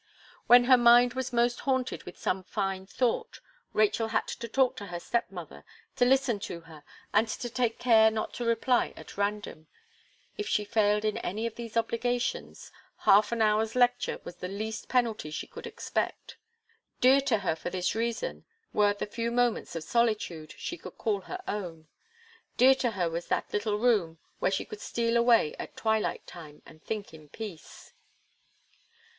When her mind was most haunted with some fine thought, Rachel had to talk to her step mother, to listen to her, and to take care not to reply at random; if she failed in any of these obligations, half an hour's lecture was the least penalty she could expect. Dear to her, for this reason; were the few moments of solitude she could call her own; dear to her was that little room, where she could steal away at twilight time and think in peace.